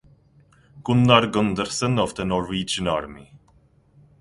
Gunnar Gundersen of the Norwegian Army.